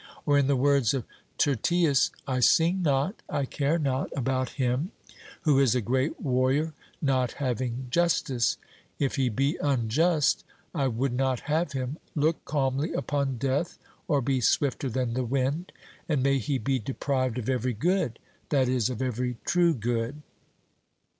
Or, in the words of Tyrtaeus, 'I sing not, I care not about him' who is a great warrior not having justice; if he be unjust, 'I would not have him look calmly upon death or be swifter than the wind'; and may he be deprived of every good that is, of every true good.